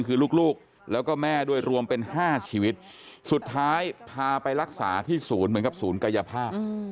คือลูกแล้วก็แม่ด้วยรวมเป็น๕ชีวิตสุดท้ายพาไปรักษาที่ศูนย์เหมือนกับศูนย์กายภาพ